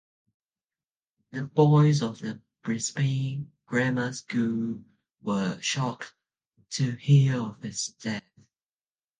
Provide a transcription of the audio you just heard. The boys of the Brisbane Grammar School were shocked to hear of his death.